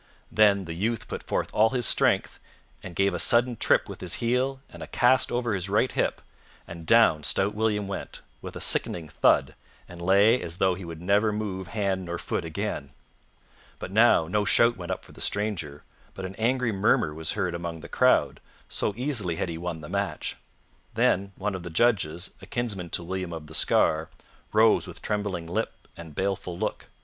Then the youth put forth all his strength and gave a sudden trip with his heel and a cast over his right hip, and down stout William went, with a sickening thud, and lay as though he would never move hand nor foot again. But now no shout went up for the stranger, but an angry murmur was heard among the crowd, so easily had he won the match. Then one of the judges, a kinsman to William of the Scar, rose with trembling lip and baleful look.